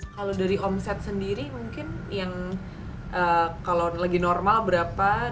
kalau dari omset sendiri mungkin yang kalau lagi normal berapa